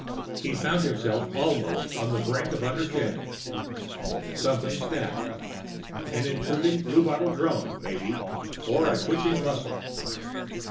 He found himself almost on the brink of Understanding. Something snapped. An intruding blue bottle drone, maybe, or a twitching muscle.